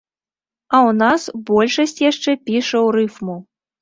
А ў нас большасць яшчэ піша ў рыфму.